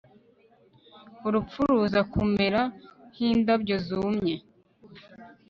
urupfu ruza kumera nk'indabyo zumye